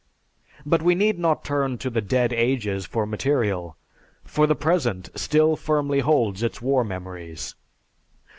But we need not turn to the dead ages for material, for the present still firmly holds its war memories.